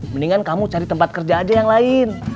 mendingan kamu cari tempat kerja aja yang lain